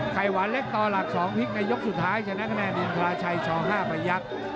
ไข่หวานเล็กต่อหลัก๒พลิกในยกสุดท้ายชนะคะแนนอินทราชัยช๕ประยักษ์